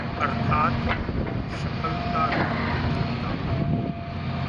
अर्थात्: सफलता की विफलता